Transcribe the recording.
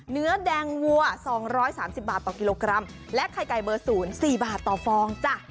เนื้อแดงวัว๒๓๐บาทต่อกิโลกรัมและไข่ไก่เบอร์๐๔บาทต่อฟองจ้ะ